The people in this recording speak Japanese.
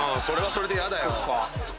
それはそれで嫌だよ。